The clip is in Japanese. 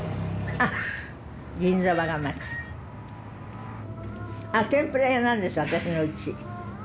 あっ天ぷら屋なんです私のうち。